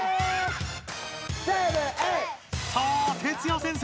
さあＴＥＴＳＵＹＡ先生！